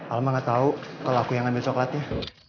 alma gak tau kalau aku yang ambil coklatnya